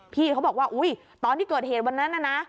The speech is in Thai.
พี่เขาบอกว่าอุ๊ยตอนที่เกิดเหตุวันนั้นน่ะนะ